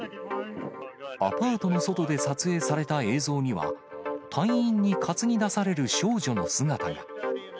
アパートの外で撮影された映像には、隊員に担ぎ出される少女の姿が。